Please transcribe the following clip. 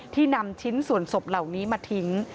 นำชิ้นส่วนศพเหล่านี้มาทิ้ง